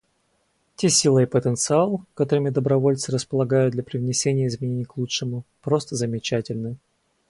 Те сила и потенциал, которыми добровольцы располагают для привнесения изменений к лучшему, просто замечательны.